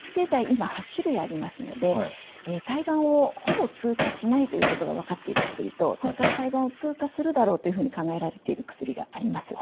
今８種類ありますので胎盤をほぼ通過しないということが分かっている薬とそれから胎盤を通過するだろうというふうに考えられている薬があります。